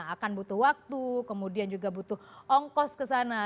akan butuh waktu kemudian juga butuh ongkos ke sana